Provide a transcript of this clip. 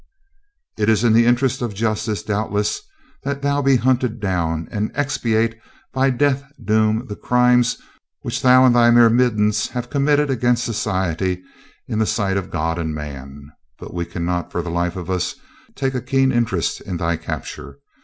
It is in the interests of justice, doubtless, that thou be hunted down, and expiate by death doom the crimes which thou and thy myrmidons have committed against society in the sight of God and man. But we cannot, for the life of us, take a keen interest in thy capture.